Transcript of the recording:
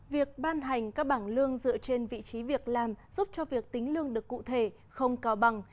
việc ban hành các bảng lương dựa trên vị trí việc làm giúp cho việc tính lương được cụ thể không cao bằng